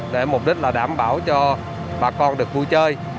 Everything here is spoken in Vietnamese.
để mục đích là đảm bảo cho bà con được vui chơi